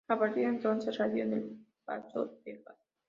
A partir de entonces radicó en El Paso, Texas.